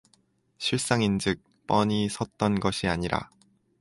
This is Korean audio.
실상인즉 뻔히 섰던 것이 아니라.